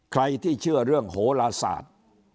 ใครที่เชื่อเรื่องโหลศาสตร์